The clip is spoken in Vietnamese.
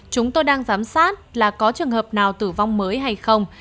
chúng tôi đang giám sát là có trường hợp nào tử vong mới hay không